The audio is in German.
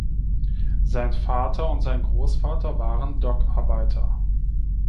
Sein Vater und sein Großvater waren Dockarbeiter.